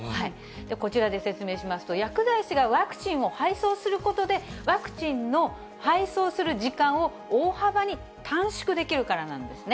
こちらで説明しますと、薬剤師がワクチンを配送することで、ワクチンの配送する時間を大幅に短縮できるからなんですね。